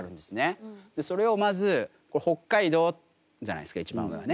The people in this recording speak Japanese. それをまず北海道じゃないですか一番上はね。